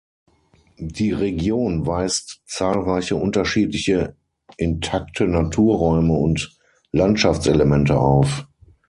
Die Region weist zahlreiche unterschiedliche intakte Naturräume und Landschaftselemente auf.